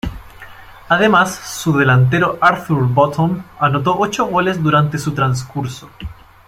Además, su delantero Arthur Bottom anotó ocho goles durante su transcurso.